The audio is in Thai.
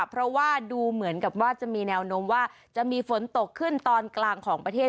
เพราะว่าดูเหมือนกับว่าจะมีแนวโน้มว่าจะมีฝนตกขึ้นตอนกลางของประเทศ